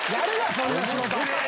そんな仕事。